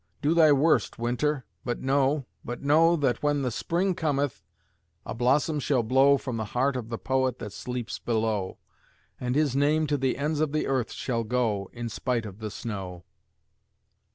Do thy worst, Winter, but know, but know That, when the Spring cometh, a blossom shall blow From the heart of the Poet that sleeps below, And his name to the ends of the earth shall go, In spite of the snow!